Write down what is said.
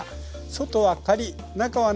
外はカリッ中はね